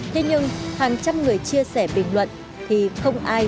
thế nhưng hàng trăm người chia sẻ bình luận thì không ai